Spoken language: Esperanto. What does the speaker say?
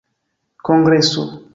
kongreso